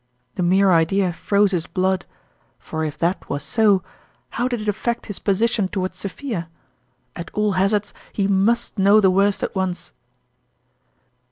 The mere idea froze his blood ; for if that was so, how did it affect his position toward Sophia ? At all hazards, he must know the worst at once